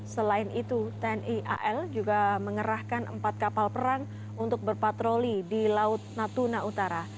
selain itu tni al juga mengerahkan empat kapal perang untuk berpatroli di laut natuna utara